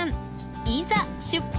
いざ出発！